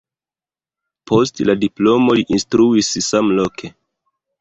Post la diplomo li instruis samloke.